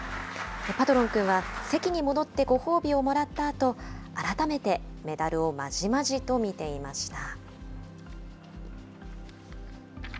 パトロンくんは、席に戻ってご褒美をもらったあと、改めてメダルをまじまじと見ていました。